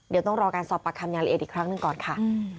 เดี๋ยวต้องรอการสอบปากคำอย่างละเอียดอีกครั้งหนึ่งก่อนค่ะ